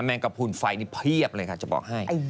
งกระพูนไฟนี่เพียบเลยค่ะจะบอกให้